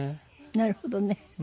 なるほどね。